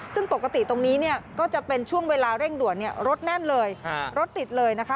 ซึ่งปกติตรงนี้เนี่ยก็จะเป็นช่วงเวลาเร่งด่วนรถแน่นเลยรถติดเลยนะคะ